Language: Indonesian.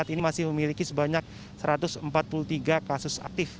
ini masih memiliki sebanyak satu ratus empat puluh tiga kasus aktif